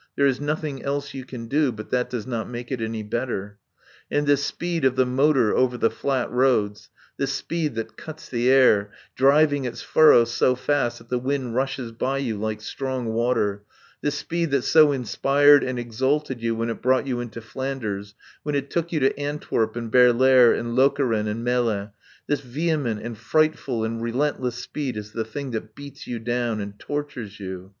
There is nothing else you can do; but that does not make it any better. And this speed of the motor over the flat roads, this speed that cuts the air, driving its furrow so fast that the wind rushes by you like strong water, this speed that so inspired and exalted you when it brought you into Flanders, when it took you to Antwerp and Baerlaere and Lokeren and Melle, this vehement and frightful and relentless speed is the thing that beats you down and tortures you.